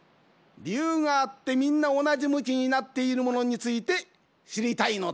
りゆうがあってみんなおなじむきになっているものについてしりたいのだ。